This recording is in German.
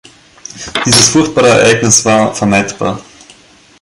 Dieses furchtbare Ereignis war vermeidbar.